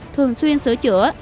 thường xuyên sửa chữa